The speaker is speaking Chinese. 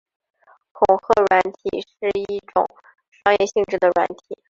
恐吓软体是一种商业性质的软体。